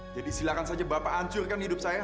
jadi silakan saja bapak hancurkan hidup saya